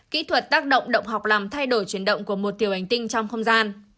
kỹ thuật tác động động học làm thay đổi chuyển động của một tiểu hành tinh trong không gian